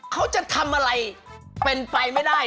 เขาจะทำอะไรเป็นไปไม่ได้